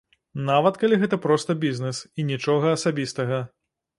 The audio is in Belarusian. Нават калі гэта проста бізнэс і нічога асабістага.